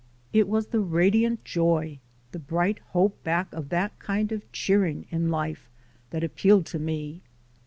It was the radiant joy, the bright hope back of that kind of a cheering in life that appealed to me.